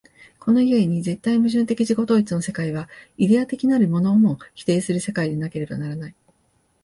この故に絶対矛盾的自己同一の世界は、イデヤ的なるものをも否定する世界でなければならない。